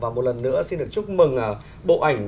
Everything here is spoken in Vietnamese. một lần nữa xin được chúc mừng bộ ảnh